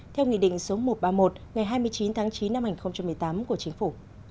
theo nghị định số một trăm ba mươi một ngày hai mươi chín tháng chín năm hai nghìn một mươi tám của chính phủ